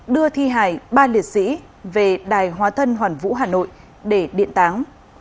đưa thi hài ba liệt sĩ về đài hóa thân hoàn vũ hà nội để điện tán